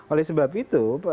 oleh sebab itu